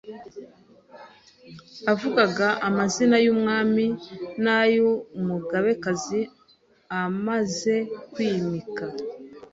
avugaga amazina y’umwami n’ay’umugaekazi amaze kwimika